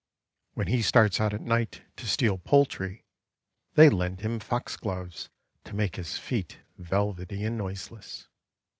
When he starts out at night to steal poultry, they lend him Foxgloves, to make his feet vel vety and noiseless.